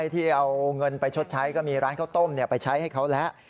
ที่เอาเงินไปชดใช้ก็มีร้านข้าวต้มไปใช้ให้เขาแล้ว